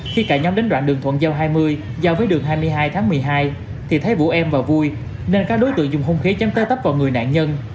khi cả nhóm đến đoạn đường thuận giao hai mươi giao với đường hai mươi hai tháng một mươi hai thì thấy vụ em và vui nên các đối tượng dùng hung khí chém tới tấp vào người nạn nhân